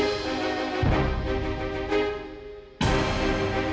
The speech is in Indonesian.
siap siap siap